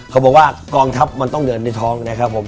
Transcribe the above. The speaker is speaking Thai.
เขาบอกว่ากองทัพมันต้องเดินในท้องนะครับผม